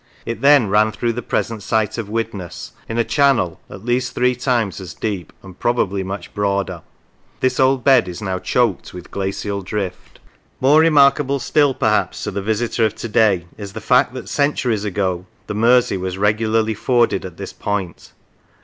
It then ran through the present site of Widnes, in a channel at least three times as deep and probably much broader. This old bed is now choked with glacial drift. More remarkable still, perhaps, to the visitor of to day is the fact that, centuries ago, the Mersey was regularly forded at this point.